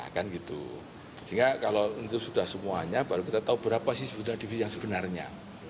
sehingga kalau itu sudah semuanya baru kita tahu berapa sih sebenarnya